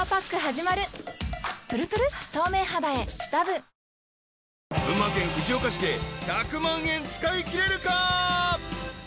［群馬県藤岡市で１００万円使いきれるか？］